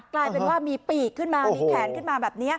กลายเป็นว่ามีปีกขึ้นมามีแขนขึ้นมาแบบนี้